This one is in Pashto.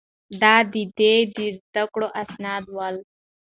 دا د ده د زده کړو اسناد ول.